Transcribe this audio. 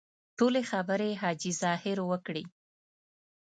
ټولې خبرې حاجي ظاهر وکړې.